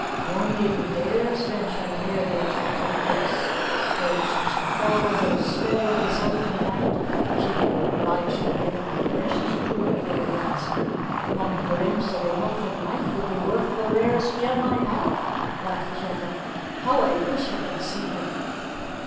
No maiden dares venture near the enchanted place, for if she should fall under the spell of this Elfin Knight she would be obliged to give him a precious jewel for a ransom." "One glimpse of the Elfin Knight would be worth the rarest gem I have," laughed Janet. "How I wish I could see him!"